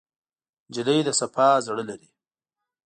نجلۍ د صفا زړه لري.